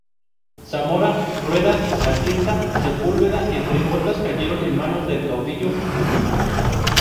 Zamora, Rueda, Atienza, Sepúlveda entre otras cayeron en manos del caudillo musulmán.